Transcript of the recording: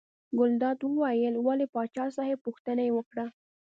ګلداد وویل ولې پاچا صاحب پوښتنه یې وکړه.